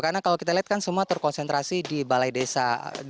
karena kalau kita lihat kan semua terkonsentrasi di balai desa